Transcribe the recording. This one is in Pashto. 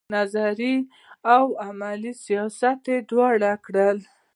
نظري او عملي سیاست یې دواړه کړي.